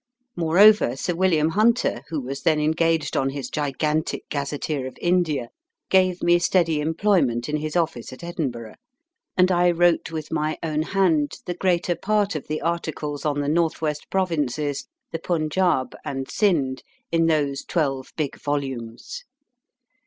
Moreover, Sir William Hunter, who was then engaged on his gigantic 1 Gazetteer of India, gave me steady employment in his office at Edinburgh, and I wrote with my own hand the greater part of the articles on the North West Provinces, the Punjaub, and Sind, in those twelve big volumes.